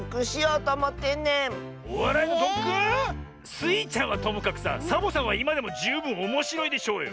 スイちゃんはともかくさサボさんはいまでもじゅうぶんおもしろいでしょうよ！